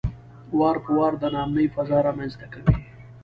وار په وار د ناامنۍ فضا رامنځته کوي.